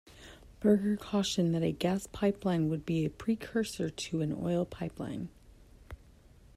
Berger cautioned that a gas pipeline would be a precursor to an oil pipeline.